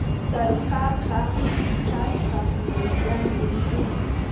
Tarukaqa kichasqa ñawillantin puñun.